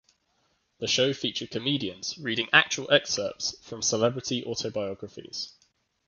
The show featured comedians reading actual excerpts from celebrity autobiographies.